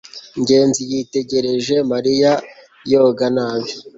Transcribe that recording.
ngenzi yitegereje mariya yoga nabi